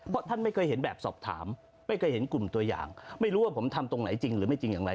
เพราะท่านไม่เคยเห็นแบบสอบถามไม่เคยเห็นกลุ่มตัวอย่างไม่รู้ว่าผมทำตรงไหนจริงหรือไม่จริงอย่างไร